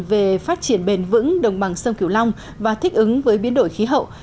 về phát triển bền vững đồng bằng sông kiều long và thích ứng với biến đổi khí hậu